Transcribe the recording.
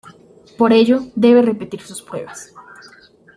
Por ello debe repetir sus pruebas.